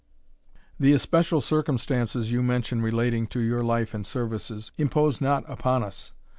The especial circumstances you mention relating to your life and services, impose not upon us.